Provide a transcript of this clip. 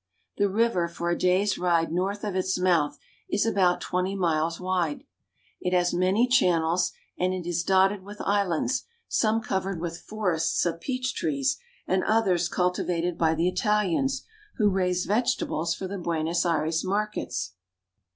The river for a day's ride north of its mouth is about twenty miles wide. It has On the Parana. many channels, and it is dotted with islands, some cov ered with forests of peach trees and others cultivated by the Italians, who raise vegetables for the Buenos Aires markets.